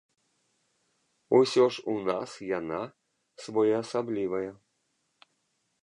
Усё ж у нас яна своеасаблівая.